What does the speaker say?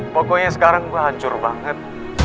pokoknya sekarang hancur banget